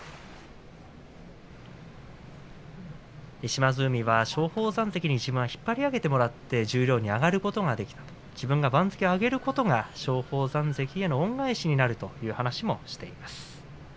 島津海は松鳳山関に自分は引っ張り上げてもらって十両に上がることができた自分が番付を上げることが松鳳山関への恩返しになるという話もしています。